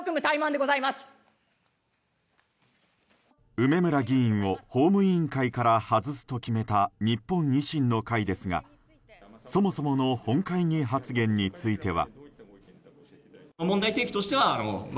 梅村議員を法務委員会から外すと決めた日本維新の会ですがそもそもの本会議発言については。